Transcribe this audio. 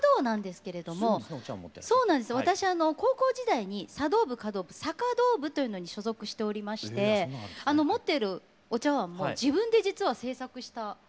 私あの高校時代に茶道部華道部茶華道部というのに所属しておりまして持っているお茶碗も自分で実は制作した世界に一つだけのお茶碗。